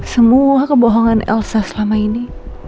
semua kebohongan elsa selama ini